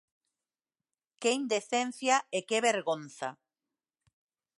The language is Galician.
¡Que indecencia e que vergonza!